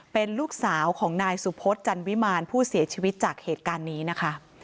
เป็นลูกสาวของนายสุพศจันวิมารผู้เสียชีวิตจากเหตุการณ์นี้นะคะ